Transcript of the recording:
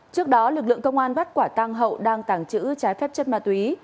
trước đó lực lượng công an bắt quả tăng hậu đang tảng chữ trái phép chất ma túy